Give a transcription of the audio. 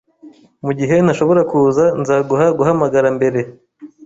Mugihe ntashobora kuza, nzaguha guhamagara mbere.